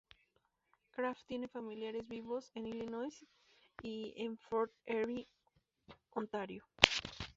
Kraft tiene familiares vivos en Illinois y en Fort Erie, Ontario.